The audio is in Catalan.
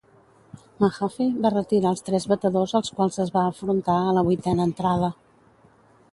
Mahaffey va retirar els tres batedors als quals es va afrontar a la vuitena entrada.